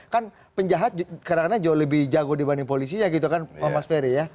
kan penjahat kadang kadang jauh lebih jago dibanding polisinya gitu kan mas ferry ya